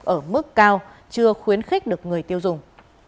ở mức cao chưa khuyến khích được người tiêu dùng